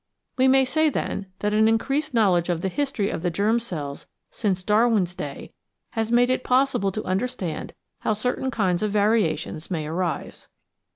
We may say, then, that an increased knowledge of the history of the germ cells since Darwin's day has made it possible to understand how certain kinds of variations may arise.